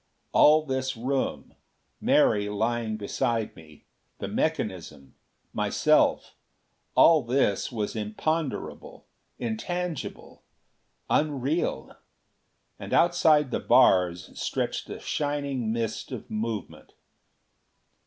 All this room Mary lying beside me, the mechanism, myself all this was imponderable, intangible, unreal. And outside the bars stretched a shining mist of movement.